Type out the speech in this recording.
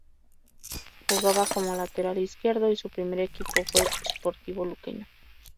Jugaba como lateral izquierdo y su primer equipo fue Sportivo Luqueño.